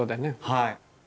はい。